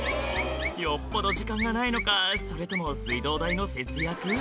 よっぽど時間がないのかそれとも水道代の節約？